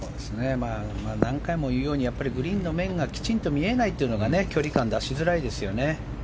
何回も言うようにグリーンの面がきちんと見えないのが距離感、出しづらいですよね。